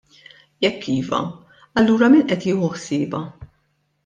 Jekk iva, allura min qed jieħu ħsiebha?